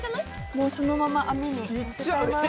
もうそのまま網にのせちゃいます。